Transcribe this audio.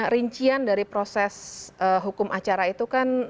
rincian dari proses hukum acara itu kan